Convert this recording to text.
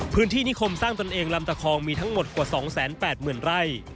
นิคมสร้างตนเองลำตะคองมีทั้งหมดกว่า๒๘๐๐๐ไร่